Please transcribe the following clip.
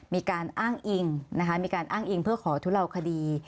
มีการอ้างอิงนะคะมีการอ้างอิงเพื่อขอทุเลาคดี